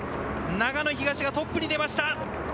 長野東がトップに出ました。